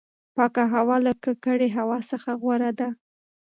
پاکه هوا له ککړې هوا څخه غوره ده.